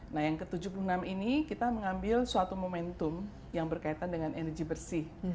nah yang ke tujuh puluh enam ini kita mengambil suatu momentum yang berkaitan dengan energi bersih